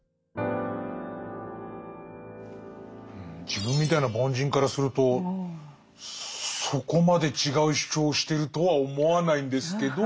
自分みたいな凡人からするとそこまで違う主張をしてるとは思わないんですけど。